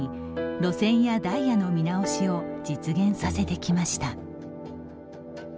路線やダイヤの見直しを実現させてきました。